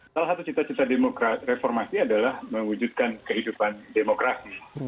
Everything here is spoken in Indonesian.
salah satu cita cita reformasi adalah mewujudkan kehidupan demokrasi